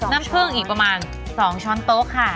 น้ำผึ้งอีกประมาณ๒ช้อนโต๊ะค่ะ